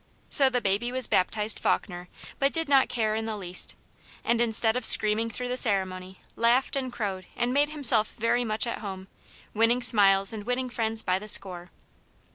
So the baby was baptised Faulkner, but did not care in the least, and instead of screaming through the ceremony, laughed and crowed and made himself very much at home, winning smiles and winning friends by the score.